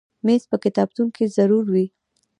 مېز په کتابتون کې ضرور وي.